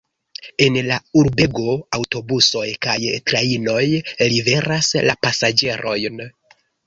En la urbego aŭtobusoj kaj trajnoj liveras la pasaĝerojn.